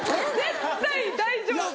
絶対大丈夫！